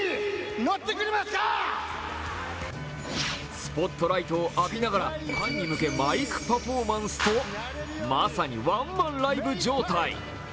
スポットライトを浴びながらファンに向けマイクパフォーマンスとまさにワンマンライブ状態。